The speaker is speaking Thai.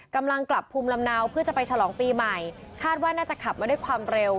กำลังกลับภูมิลำเนาเพื่อจะไปฉลองปีใหม่คาดว่าน่าจะขับมาด้วยความเร็ว